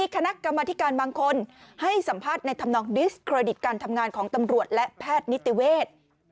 การทำงานของตำรวจและแพทย์นิตเวท